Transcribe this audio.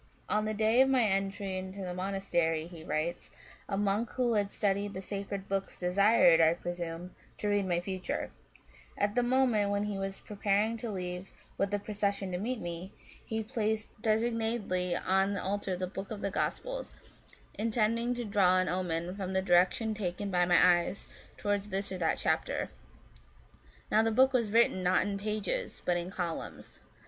"On the day of my entry into the monastery," he writes, " a monk who had studied the sacred books desired, I presume, to read my future ; at the moment when he was preparing to leave with the procession to meet me, he placed designedly on the altar the book of the Gospels, intending to draw an omen from the direction taken by my eyes to wards this or that chapter. Now the book was written, not in pages, but in columns.